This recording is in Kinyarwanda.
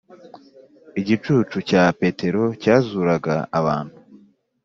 igicucucu cya petero cya zuraga abantu